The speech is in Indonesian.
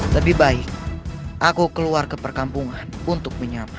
lebih baik aku keluar ke perkampungan untuk menyapa